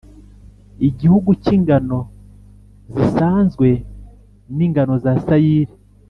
igihugu cy’ingano zisanzwe n’ingano za sayiri,